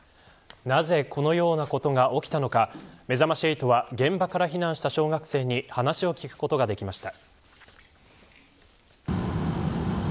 なぜこのようなことが起きたのかめざまし８は現場から避難した小学生に話を聞くことができました。